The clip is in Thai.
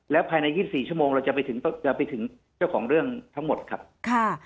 แล้วภายใน๒๔ชั่วโมงเราจะไปถึงจะไปถึงเจ้าของเรื่องทั้งหมดครับค่ะ